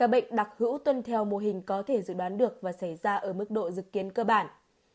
bệnh đặc hữu tuân theo mô hình có thể dự đoán được và xảy ra ở mức độ dự kiến cơ bản